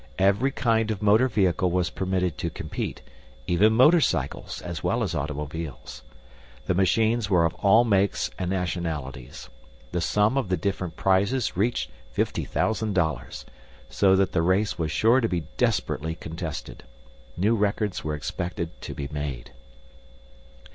Every kind of motor vehicle was permitted to compete, even motorcycles, as well as automobiles. The machines were of all makes and nationalities. The sum of the different prizes reached fifty thousand dollars, so that the race was sure to be desperately contested. New records were expected to be made.